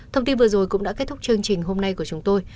thông tin vừa rồi cũng đã kết thúc chương trình hôm nay của chúng tôi